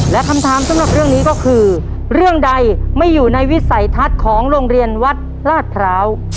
และคำถามสำหรับเรื่องนี้ก็คือเรื่องใดไม่อยู่ในวิสัยทัศน์ของโรงเรียนวัดลาดพร้าว